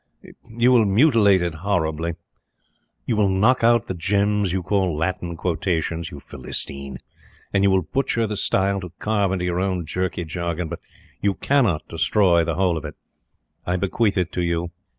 You will mutilate it horribly. You will knock out the gems you call 'Latin quotations,' you Philistine, and you will butcher the style to carve into your own jerky jargon; but you cannot destroy the whole of it. I bequeath it to you.